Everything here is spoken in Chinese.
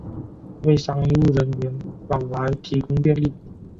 为商务人员往来提供便利